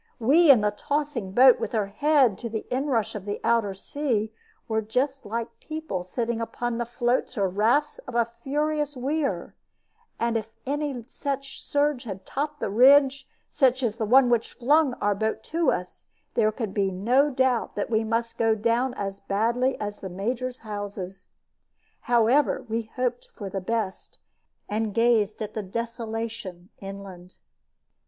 We in the tossing boat, with her head to the inrush of the outer sea, were just like people sitting upon the floats or rafts of a furious weir; and if any such surge had topped the ridge as the one which flung our boat to us, there could be no doubt that we must go down as badly as the Major's houses. However, we hoped for the best, and gazed at the desolation inland.